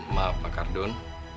maaf pak kardun